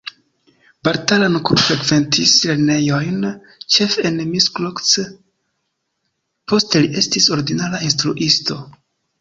Bertalan Kun frekventis lernejojn ĉefe en Miskolc, poste li estis ordinara instruisto.